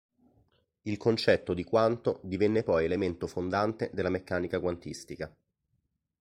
Il concetto di quanto divenne poi elemento fondante della meccanica quantistica.